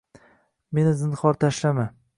Meni zinhor tashlama.